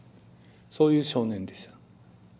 そういう少年でした。